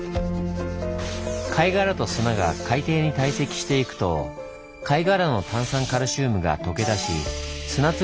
貝殻と砂が海底に堆積していくと貝殻の炭酸カルシウムが溶け出し砂粒と一体化。